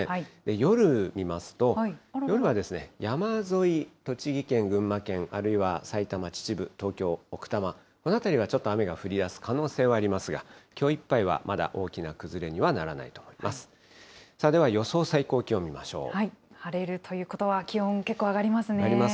夜を見ますと、夜は山沿い、栃木県、群馬県、さいたま、秩父、東京・奥多摩の辺りはちょっと雨の降る可能性はありますが、きょういっぱいはまだ大きな崩れにはならないと思います。